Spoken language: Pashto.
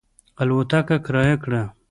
الوتکه کرایه کړه.